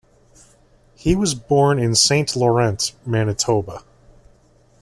He was born in Saint Laurent, Manitoba.